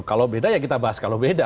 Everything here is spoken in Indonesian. kalau beda ya kita bahas kalau beda